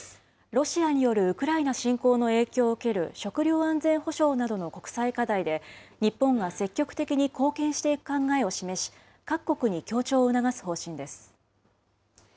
ロシアによるウクライナ侵攻の影響を受ける食料安全保障などの国際課題で、日本が積極的に貢献していく考えを示し、各国に協調を促す方針です。